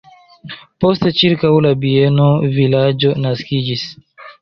Poste ĉirkaŭ la bieno vilaĝo naskiĝis.